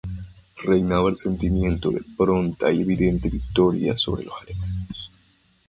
Reinaba el sentimiento de una pronta y evidente victoria sobre los alemanes.